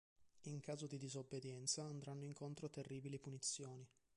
In caso di disobbedienza andranno incontro a terribili punizioni.